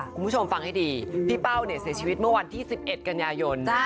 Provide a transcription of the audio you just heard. คุณผู้ชมฟังให้ดีพี่เป้าเนี่ยเสียชีวิตเมื่อวันที่๑๑กันยายน